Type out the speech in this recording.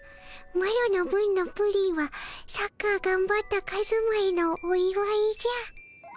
マロの分のプリンはサッカーがんばったカズマへのおいわいじゃ。